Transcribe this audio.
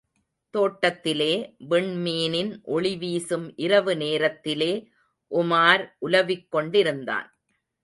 தோட்டத்திலே, விண்மீனின் ஒளிவீசும் இரவு நேரத்திலே, உமார் உலவிக் கொண்டிருந்தான்.